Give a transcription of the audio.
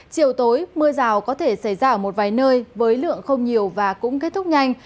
chiều tối mưa rào có thể xảy ra ở một vài nơi với lượng không nhiều và cũng kết thúc nhanh